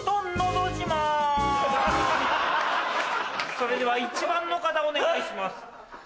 それでは１番の方お願いします。